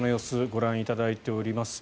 ご覧いただいています。